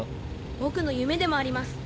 僕の夢でもあります。